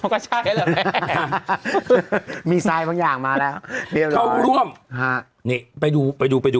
ก็ใช่มีสไลด์บางอย่างมาแล้วเข้าร่วมฮะนี่ไปดูไปดูไปดู